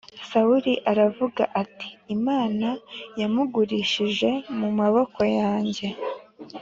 Sawuli aravuga ati Imana yamugurishije mu maboko yanjye